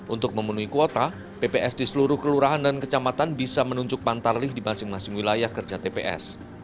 untuk memenuhi kuota pps di seluruh kelurahan dan kecamatan bisa menunjuk pantarlih di masing masing wilayah kerja tps